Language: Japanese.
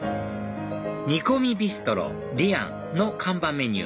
煮込みビストロＲｅＥｎの看板メニュー